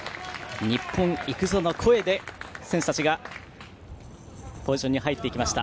日本いくぞ！の声で選手たちがポジションに入っていきました。